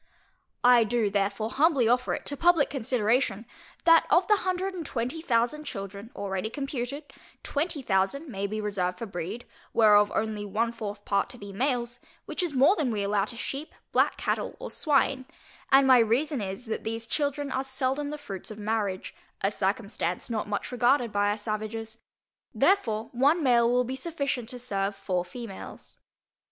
I do therefore humbly offer it to publick consideration, that of the hundred and twenty thousand children, already computed, twenty thousand may be reserved for breed, whereof only one fourth part to be males; which is more than we allow to sheep, black cattle, or swine, and my reason is, that these children are seldom the fruits of marriage, a circumstance not much regarded by our savages, therefore, one male will be sufficient to serve four females.